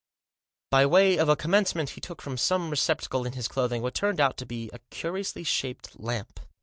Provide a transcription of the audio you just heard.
By way of a commencement he took from some receptacle in his clothing what turned out to be a curiously shaped lamp.